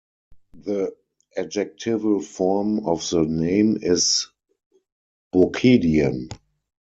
The adjectival form of the name is Baucidian.